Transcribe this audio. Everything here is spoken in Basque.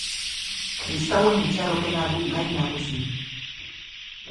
Kristauen itxaropena du gai nagusi.